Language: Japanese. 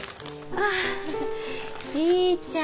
ああちぃちゃん。